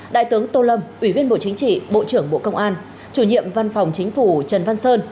đại tướng tô lâm ủy viên bộ chính trị bộ trưởng bộ công an chủ nhiệm văn phòng chính phủ trần văn sơn